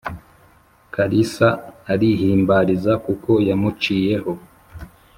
kalisa arihimbariza kuko yamuciyeho